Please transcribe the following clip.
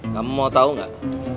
kamu mau tau gak